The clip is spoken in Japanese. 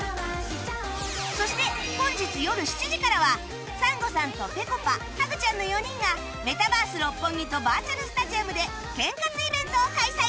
そして本日よる７時からはサンゴさんとぺこぱハグちゃんの４人がメタバース六本木とバーチャルスタジアムで健活イベントを開催！